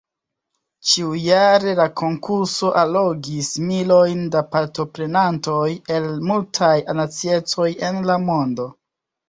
Ĉiujare la konkurso allogis milojn da partoprenantoj el multaj naciecoj en la mondo.